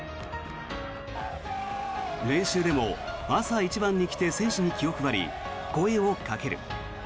練習でも朝一番に来て選手に気を配り、声をかける。